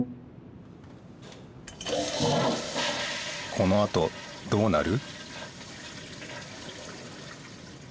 このあとどうなる？